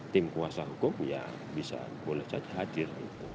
tim kuasa hukum ya bisa boleh saja hadir